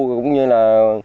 cũng như là